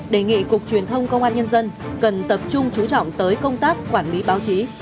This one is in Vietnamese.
đề nghị cục truyền thông công an nhân dân cần tập trung trú trọng tới công tác quản lý báo chí